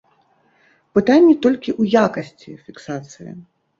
Пытанні толькі ў якасці фіксацыі.